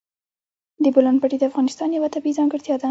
د بولان پټي د افغانستان یوه طبیعي ځانګړتیا ده.